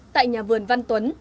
tại nhà vườn văn tuấn